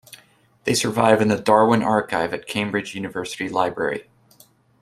They survive in the Darwin Archive at Cambridge University Library.